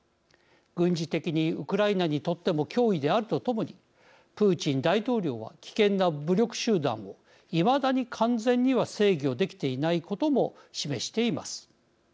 軍事的にウクライナにとっても脅威であるとともにプーチン大統領は危険な武力集団をいまだに完全には制御できていないことも示しています。